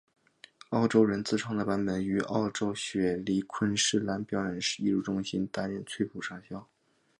澳洲人自创的版本于澳洲雪梨昆士兰表演艺术中心担任崔普上校。